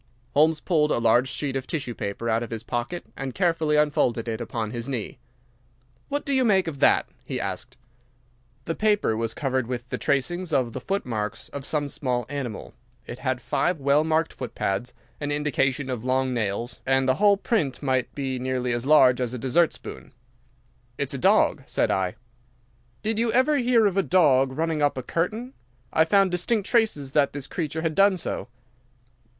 Holmes pulled a large sheet of tissue paper out of his pocket and carefully unfolded it upon his knee. "What do you make of that?" he asked. The paper was covered with the tracings of the footmarks of some small animal. It had five well marked footpads, an indication of long nails, and the whole print might be nearly as large as a dessert spoon. "It's a dog," said I. "Did you ever hear of a dog running up a curtain? I found distinct traces that this creature had done so."